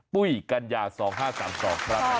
ปุ้ยกัญญา๒๕๓๒มากับติ๊กต๊อกนะ